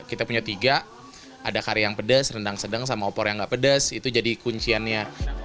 kita punya tiga ada kari yang pedas rendang sedang sama opor yang gak pedas itu jadi kunciannya